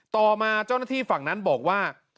ต่อมาเจ้าหน้าที่ฝั่งนั้นบอกว่า